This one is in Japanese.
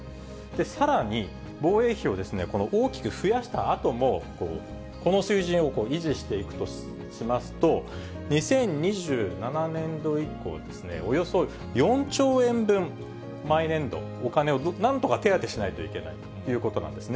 さらに、防衛費をこの大きく増やしたあとも、この水準を維持していくとしますと、２０２７年度以降、およそ４兆円分、毎年度お金をなんとか手当しないといけないということなんですね。